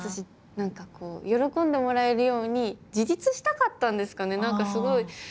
何かこう喜んでもらえるように自立したかったんですかね。